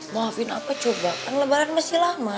maafin apa coba kan lebaran masih lama